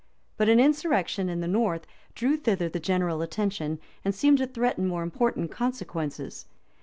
But an insurrection in the north drew thither the general attention, and seemed to threaten more important consequences.